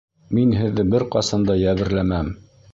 Мин һеҙҙе бер ҡасан да йәберләмәм.